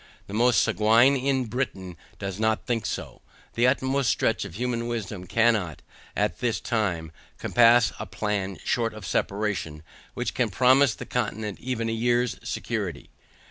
The most sanguine in Britain does not think so. The utmost stretch of human wisdom cannot, at this time, compass a plan short of separation, which can promise the continent even a year's security.